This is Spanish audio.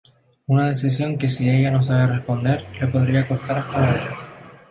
Una decisión que si ella no sabe responder, le podría costar hasta la vida.